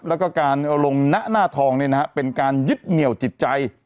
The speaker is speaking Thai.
แล้วก็การลงหน้าหน้าทองเนี่ยนะฮะเป็นการยึดเหนี่ยวจิตใจ